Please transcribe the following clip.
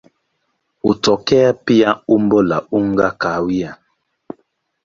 Hutokea pia kwa umbo la unga kahawia.